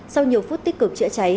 sau nhiều phút tích cực chữa cháy